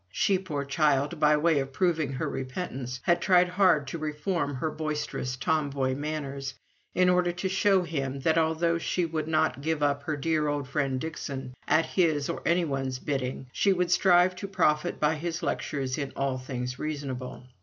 She, poor child, by way of proving her repentance, had tried hard to reform her boisterous tom boy manners, in order to show him that, although she would not give up her dear old friend Dixon, at his or anyone's bidding, she would strive to profit by his lectures in all things reasonable.